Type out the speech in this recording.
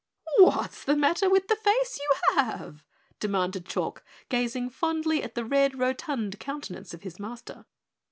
"What's the matter with the face you have?" demanded Chalk, gazing fondly at the red, rotund countenance of his Master.